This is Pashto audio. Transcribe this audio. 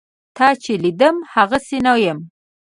تا چې لیدم هغسې نه یم.